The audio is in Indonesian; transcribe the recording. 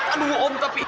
aduh om tapi